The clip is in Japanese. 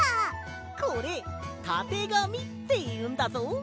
これたてがみっていうんだぞ。